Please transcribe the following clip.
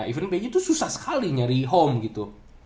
even pj tuh susah sekali nyari home gitu